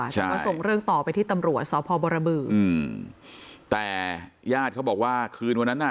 ใช่ก็ส่งเรื่องต่อไปที่ตำรวจสพบรบืออืมแต่ญาติเขาบอกว่าคืนวันนั้นน่ะ